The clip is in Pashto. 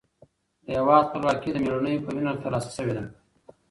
د هېواد خپلواکي د مېړنیو په وینه ترلاسه شوې ده.